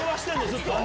ずっと。